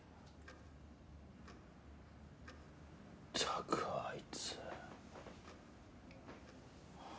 ったくあいつ。